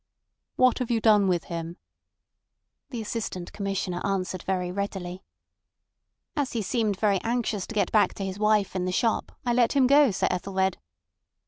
"What have you done with him?" The Assistant Commissioner answered very readily: "As he seemed very anxious to get back to his wife in the shop I let him go, Sir Ethelred."